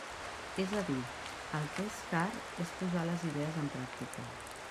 És a dir, el que és car és posar les idees en pràctica.